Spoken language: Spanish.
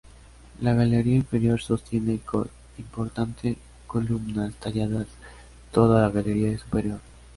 La galería inferior sostiene, con importante columnas talladas toda la galería superior.